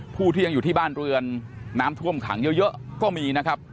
ผู้ที่ยังอยู่ที่บ้านเรือนน้ำท่วมขังเยอะก็มีนะครับ